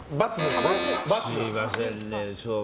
すみませんね。